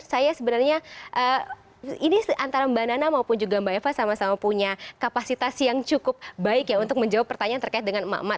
saya sebenarnya ini antara mbak nana maupun juga mbak eva sama sama punya kapasitas yang cukup baik ya untuk menjawab pertanyaan terkait dengan emak emak